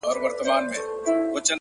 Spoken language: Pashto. زړه لکه هينداره ښيښې گلي؛